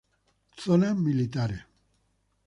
Zonas Militares.